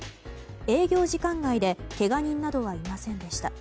営業時間外でけが人などはいませんでした。